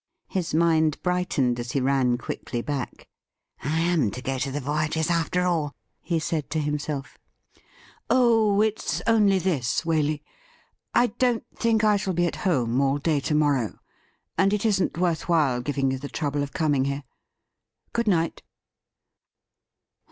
His mind brightened as he ran quickly back. " I am to go to the Voyagers', after all,' he said to himself, ' Oh, it's only this, Waley. I don't think I shall be at home all day to morrow, and it isn't worth while giving you the trouble of coming here. Good night.'